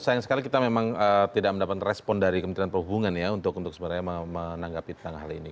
sayang sekali kita memang tidak mendapat respon dari kementerian perhubungan ya untuk sebenarnya menanggapi tentang hal ini